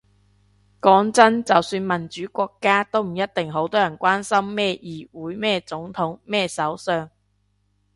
講真，就算民主國家，都唔一定好多人關心咩議會咩總統咩首相